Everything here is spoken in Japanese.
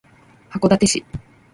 函館市